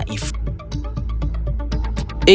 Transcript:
menghentikan diri karena begitu naif